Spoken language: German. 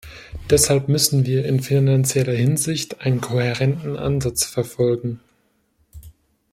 Deshalb müssen wir in finanzieller Hinsicht einen kohärenten Ansatz verfolgen.